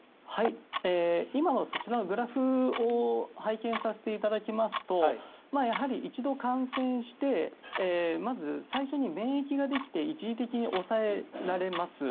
今のそちらのグラフを拝見させていただきますとやはり一度感染してまず、最初に免疫ができて一時的に抑えられます。